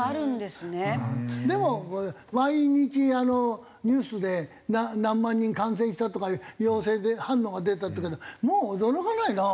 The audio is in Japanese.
でも毎日ニュースで何万人感染したとか陽性反応が出たっていうけどもう驚かないな。